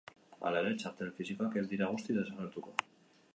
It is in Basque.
Hala ere, txartel fisikoak ez dira guztiz desagertuko.